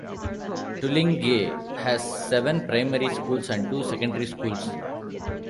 Tullinge has seven primary schools and two secondary schools.